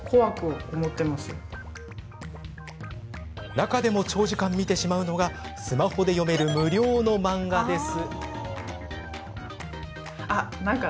中でも長時間、見てしまうのがスマホで読める無料の漫画です。